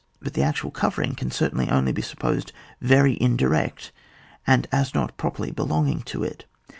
But the actual covering can certainly only be supposed very indirect, or as not preperly helotiging to it.